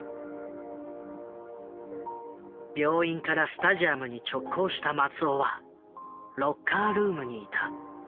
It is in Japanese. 病院からスタジアムに直行した松尾はロッカールームにいた。